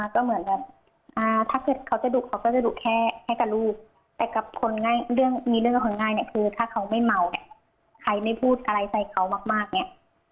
ก็เหมือนแบบถ้าเกิดเขาจะดุเขาก็จะดุแค่ให้กับลูกแต่กับคนง่ายเรื่องมีเรื่องกับคนง่ายเนี่ยคือถ้าเขาไม่เมาเนี่ยใครไม่พูดอะไรใส่เขามากเนี่ย